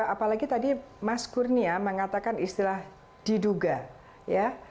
apalagi tadi mas kurnia mengatakan istilah diduga ya